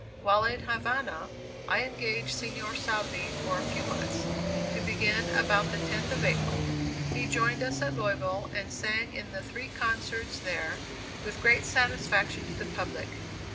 While in Havana, I engaged Signor Salvi for a few months, to begin about the 10th of April. He joined us at Louisville, and sang in the three concerts there, with great satisfaction to the public.